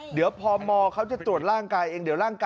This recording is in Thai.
เดี๋ยวพอมอเขาจะตรวจร่างกายเอง